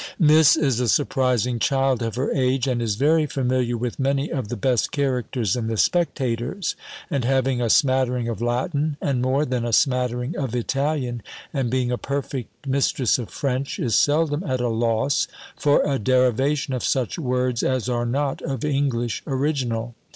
Miss is a surprising child of her age, and is very familiar with many of the best characters in the Spectators; and having a smattering of Latin, and more than a smattering of Italian, and being a perfect mistress of French, is seldom at a loss for a derivation of such words as are not of English original.